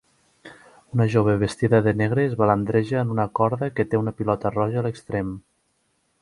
Una jove vestida de negre es balandreja en una corda que té una pilota roja a l'extrem.